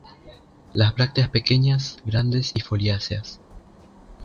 Las brácteas pequeñas, grandes y foliáceas.